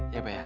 ya papa ya